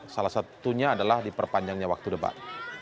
salah satunya adalah diperpanjangnya waktu debat